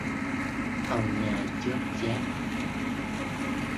Ông nhai chóp chép...